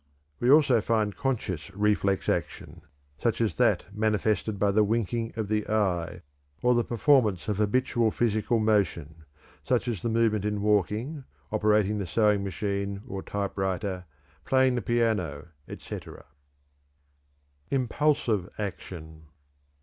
We also find conscious reflex action, such as that manifested by the winking of the eye, or the performance of habitual physical motion, such as the movement in walking, operating the sewing machine or typewriter, playing the piano, etc. _Impulsive Action.